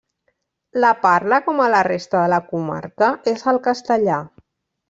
La parla, com a la resta de la comarca, és el castellà.